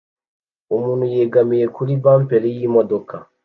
Umuntu yegamiye kuri bamperi yimodoka